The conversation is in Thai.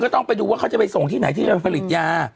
ต้องไปดูว่าเขาจะไปส่งที่ไหนที่จะผลิตยา